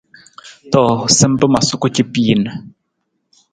To, sampa ma suku capiin.